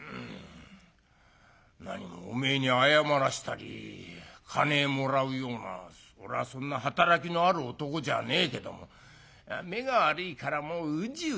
「なにもおめえに謝らしたり金もらうような俺はそんな働きのある男じゃねえけども目が悪いからもううじうじしてなぁ」。